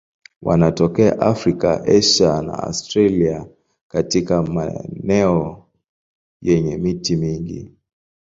Wanatokea Afrika, Asia na Australia katika maeneo yenye miti mingi.